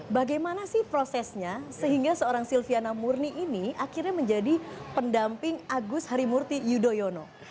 bagaimana sih prosesnya sehingga seorang silviana murni ini akhirnya menjadi pendamping agus harimurti yudhoyono